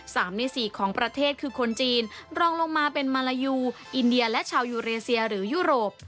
สามในสี่ของประเทศคือคนจีนรองลงมาเป็นมาลายูอินเดียและชาวยูเรเซียหรือยุโรป